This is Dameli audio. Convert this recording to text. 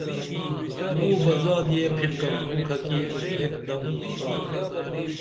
موں بہ زادیہ پِھرکم مُکھہ کی ایک دم آگا